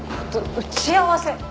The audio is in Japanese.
打ち合わせ。